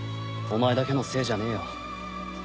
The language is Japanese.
お前だけのせいじゃねえよ。